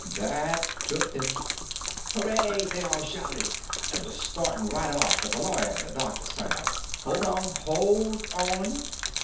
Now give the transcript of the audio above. That took them. "Hooray!" they all shouted, and was starting right off; but the lawyer and the doctor sung out: "Hold on, hold on!